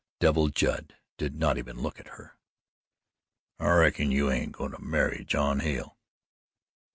Devil Judd did not even look at her. "I reckon you ain't goin' to marry John Hale."